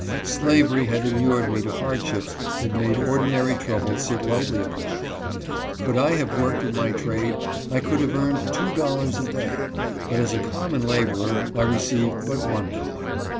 Slavery had inured me to hardships that made ordinary trouble sit lightly upon me. Could I have worked at my trade I could have earned two dollars a day, but as a common laborer I received but one dollar.